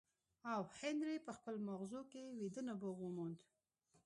او هنري په خپلو ماغزو کې ويده نبوغ وموند.